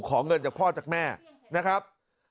ขอเงินจากพ่อจากแม่นะครับ